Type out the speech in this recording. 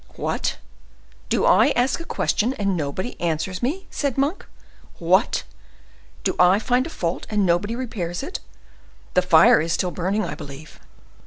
"What! do I ask a question, and nobody answers me?" said Monk. "What! do I find a fault, and nobody repairs it? The fire is still burning, I believe."